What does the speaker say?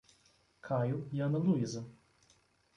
Caio e Ana Luiza